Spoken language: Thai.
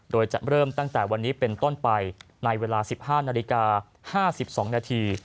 โดยจะเริ่มตั้งแต่วันนี้เป็นต้นไปในเวลา๑๕นาฬิกา๕๒นาที